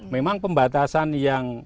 memang pembatasan yang